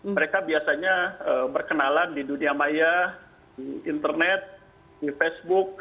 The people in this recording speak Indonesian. mereka biasanya berkenalan di dunia maya di internet di facebook